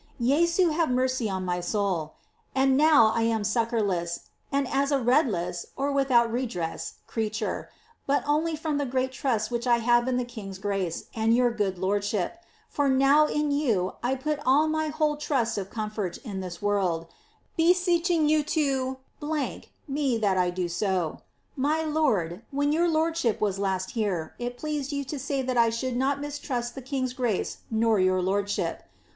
Jesu have mercy on her soul ! and now I am succourless, and as a redUs (witliout redress) creature, but only from the great trust which I have in Uie king's grace and your good lordship, for now in you J put all my whole trust of comfort in this world, beseeching you to me that I may do so. My lord, when your lordship was last here, it pleased you to say that I should not mistrust the king's grace nor your lordship.